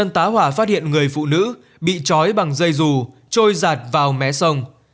tá hỏa phát hiện người phụ nữ bị trói bằng dây dù trôi giặt vào mé sông